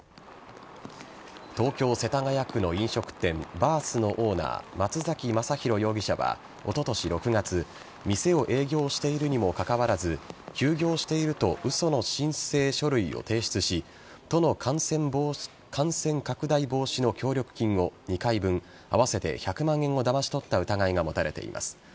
東京・世田谷区の飲食店ｂｉｒｔｈのオーナー松崎全弘容疑者はおととし６月店を営業しているにもかかわらず休業していると嘘の申請書類を提出し都の感染防止協力金を１回分合わせて１００万円をだまし取った疑いが持たれています。